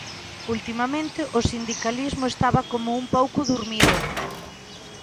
Ultimamente o sindicalismo estaba como un pouco durmido.